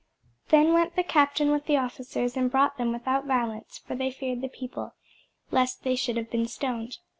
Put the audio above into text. Then went the captain with the officers, and brought them without violence: for they feared the people, lest they should have been stoned.